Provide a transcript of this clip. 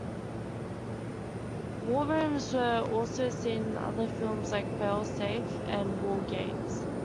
War rooms were also seen in other films like "Fail Safe" and "WarGames".